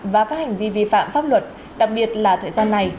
và các hành vi vi phạm pháp luật đặc biệt là thời gian này